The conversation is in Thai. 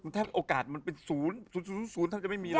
แทบโอกาสมันเป็นศูนย์ศูนย์ท่านจะไม่มีเลย